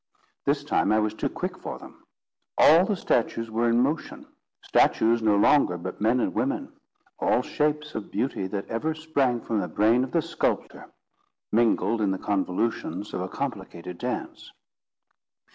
This time I was too quick for them. All the statues were in motion, statues no longer, but men and women—all shapes of beauty that ever sprang from the brain of the sculptor, mingled in the convolutions of a complicated dance.